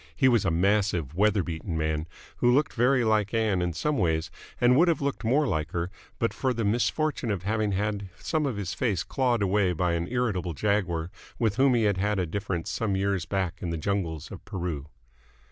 He was a massive, weather beaten man, who looked very like Ann in some ways and would have looked more like her but for the misfortune of having had some of his face clawed away by an irritable jaguar with whom he had had a difference some years back in the jungles of Peru.